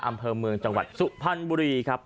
อำเภอเมืองจังหวัดสุพรรณบุรีครับ